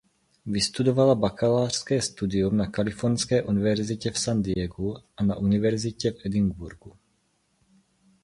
Vystudovala bakalářské studium na Kalifornské univerzitě v San Diegu a na Univerzitě v Edinburghu.